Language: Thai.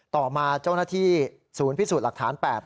ต่อมาเจ้าหน้าที่ศูนย์พิสูจน์หลักฐาน๘๘